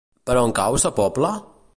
Per on cau Sa Pobla?